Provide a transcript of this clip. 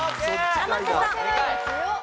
生瀬さん。